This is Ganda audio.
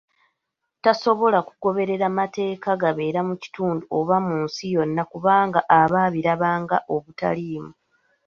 Tasobola kugoberera mateeka gabeera mu kitundu oba mu nsi yonna kubanaga aba abiraba ng'obutaliimu.